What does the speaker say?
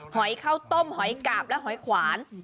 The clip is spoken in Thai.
หอยข้าวต้มหอยกาบและหอยขวาน